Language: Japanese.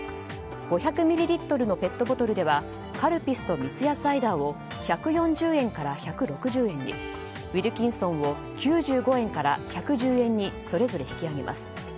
５００ミリリットルのペットボトルではカルピスと三ツ矢サイダーを１４０円から１６０円にウィルキンソンを９５円から１１０円にそれぞれ引き上げます。